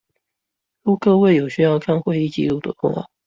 若各位有需要看會議紀錄的話